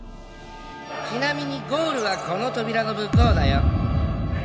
ちなみにゴールはこの扉の向こうだよ。